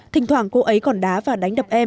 thỉnh thoảng cô ấy còn đá và đánh đập em